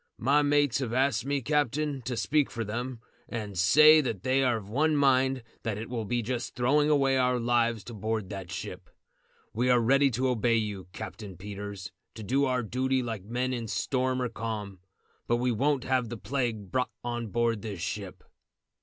"My mates have asked me, captain, to speak for them, and say that they are of one mind that it will be just throwing away our lives to board that ship. We are ready to obey you, Captain Peters, to do our duty like men in storm or calm, but we won't have the plague brought on board this ship."